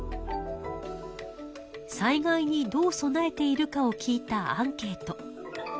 災害にどう備えているかを聞いたアンケート。